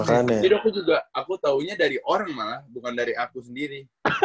jadi aku juga aku taunya dari orang malah bukan dari aku sendiri